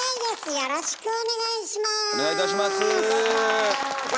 よろしくお願いします。